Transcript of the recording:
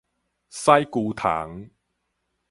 屎龜蟲